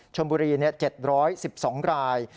ชมบุรี๗๑๒ราย